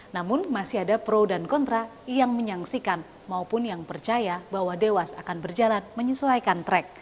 namun masih ada pro dan kontra yang menyaksikan maupun yang percaya bahwa dewas akan berjalan menyesuaikan track